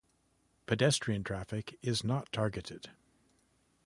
Pedestrian traffic is not targeted.